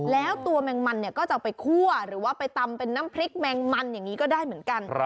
แล้วตัวแมงมันเนี่ยก็จะเอาไปคั่วหรือว่าไปตำเป็นน้ำพริกแมงมันอย่างนี้ก็ได้เหมือนกัน